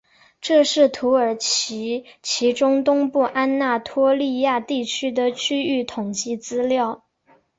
这是土耳其中东部安那托利亚地区的区域统计资料。